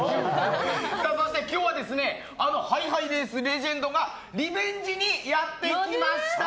そして今日はあのハイハイレースレジェンドがリベンジにやってきました。